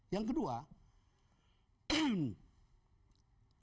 yang kedua apa jaminannya